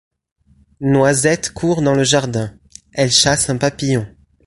Noisette court dans le jardin, elle chasse un papillon.